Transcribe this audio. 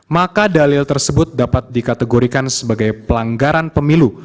maka dalil tersebut dapat dikategorikan sebagai pelanggaran pemilu